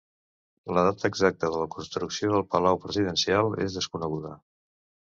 La data exacta de la construcció del Palau Presidencial és desconeguda.